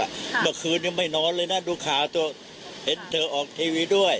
เมื่อคืนนี้ไม่นอนเลยนะดูข่าวเธอเห็นเธอออกทีวีด้วย